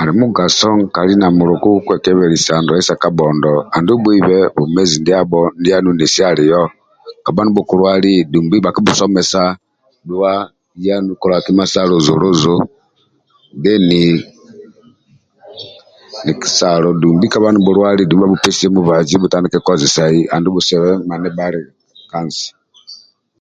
Ali mugaso nkali na muluka kwekebelisa ndwali sa kabhondo andulu bhuibe bwomezi ndiabho ndianu nesi alio kabha ndio bhukulwali dumbi bhakibhuomesa dhua kola kima sa uzu luzu deni ndia kesalo dumbi kabha ndia ndio bhukulwali dumbi bhabhupesie mubazi bhutandike kozesai andulu bhusiebe mani bhali ka nsi